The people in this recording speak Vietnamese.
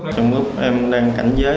trong mức em đang cảnh giới